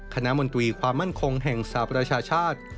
มนตรีความมั่นคงแห่งสหประชาชาติ